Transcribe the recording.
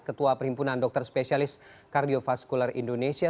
ketua perhimpunan dokter spesialis kardiofaskular indonesia